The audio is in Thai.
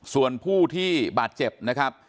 ส่วนผู้ที่บาดเจ็บนะครับ